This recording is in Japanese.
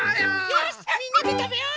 よしっみんなでたべよう！